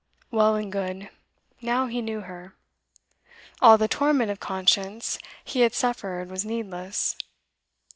Well and good; now he knew her; all the torment of conscience he had suffered was needless.